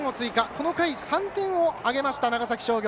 この回３点を挙げました長崎商業。